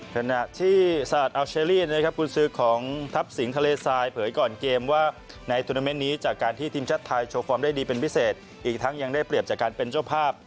ขณะที่สะอาดอัลเชอรี่นะครับคุณซื้อของทัพสิงทะเลทรายเผยก่อนเกมว่าในทุนาเมนต์นี้จากการที่ทีมชาติไทยโชว์ฟอร์มได้ดีเป็นพิเศษอีกทั้งยังได้เปรียบจากการเป็นเจ้าภาพ